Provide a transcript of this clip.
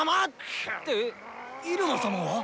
くぅ！って入間様は？